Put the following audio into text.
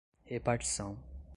repartição